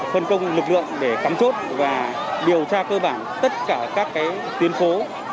phân công lực lượng để cắm chốt và điều tra cơ bản tất cả các tuyến phố